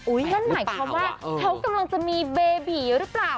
อุ้ยอย่างไรที่คำว่าชั้นกำลังจะมีเบบีหรือ